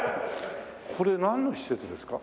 これなんの施設ですか？